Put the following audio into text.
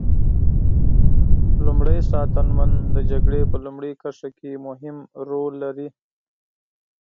لومری ساتنمن د جګړې په لومړۍ کرښه کې مهم رول لري.